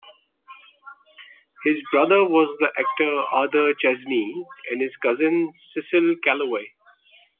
His brother was the actor Arthur Chesney and his cousin, Cecil Kellaway.